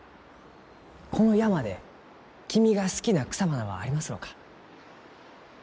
この山で君が好きな草花はありますろうか？